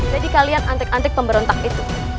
jadi kalian antik antik pemberontak itu